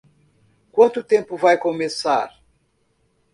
Quanto tempo vai começar?